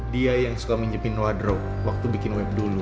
dia yang suka nginjepin wardrobe waktu bikin web dulu